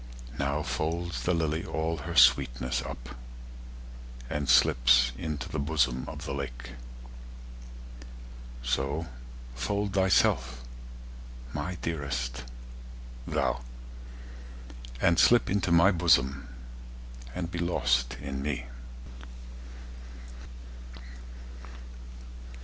Now folds the lily all her sweetness up, And slips into the bosom of the lake:So fold thyself, my dearest, thou, and slipInto my bosom and be lost in me.